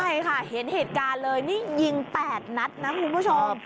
ใช่ค่ะเห็นเหตุการณ์เลยนี่ยิง๘นัดนะคุณผู้ชม